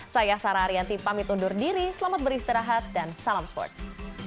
saya sarah ariyanti pamit undur diri selamat beristirahat dan salam sports